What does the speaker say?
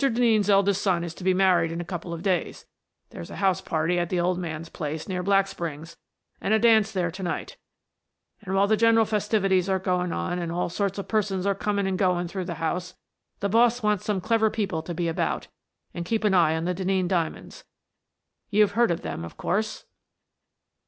Denneen's eldest son is to be married in a couple of days; there's a house party at the old man's place near Black Springs, and a dance there to night, and while the general festivities are going on and all sorts of persons are coming and going through the house, the boss Denneen's Diamonds wants some clever people to be about and keep an eye on the Denneen diamonds. You've heard of them, of course?"